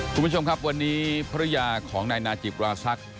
คุณผู้ชมครับวันนี้ภรรยาของนายนาจิปราศักดิ์